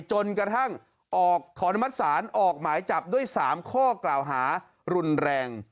จนกระทั่งออกขออนุมัติศาลออกหมายจับด้วย๓ข้อกล่าวหารุนแรง